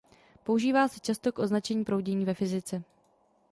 Používá se často k označení proudění ve fyzice.